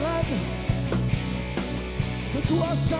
yang satu ini